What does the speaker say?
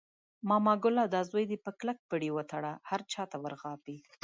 ماما ګله دا زوی دې په کلک پړي وتړله، هر چاته ور غاپي.